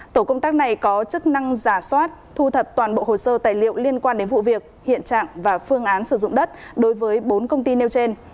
tổ công tác này có chức năng giả soát thu thập toàn bộ hồ sơ tài liệu liên quan đến vụ việc hiện trạng và phương án sử dụng đất đối với bốn công ty nêu trên